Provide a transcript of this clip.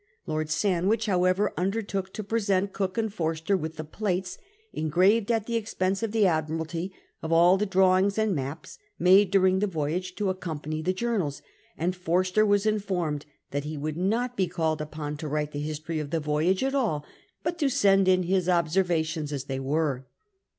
Lord Sandwich, however, undertook to present Cook and Forster with the plates, engraved at 92 CAPTAIN COOK CHAP. the expense of the Admiralty, of all the drawings and maps made during the voyage to accompany the jour nals ; and Forster was informed that he would not be called upon to write the history of the voyage at all, but Id send in his observations as they were.